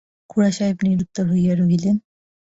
খুড়াসাহেব নিরুত্তর হইয়া রহিলেন।